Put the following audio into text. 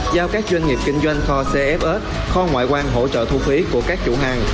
giao các doanh nghiệp kinh doanh kho cfs kho ngoại quan hỗ trợ thu phí của các chủ hàng